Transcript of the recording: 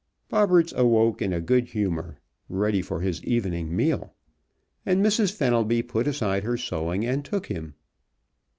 Bobberts awoke in a good humor, ready for his evening meal, and Mrs. Fenelby put aside her sewing and took him.